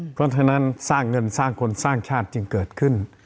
เพราะฉะนั้นสร้างเงินสร้างคนสร้างชาติจึงเกิดขึ้น